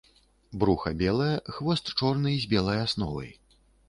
Бруха белае, хвост чорны з белай асновай.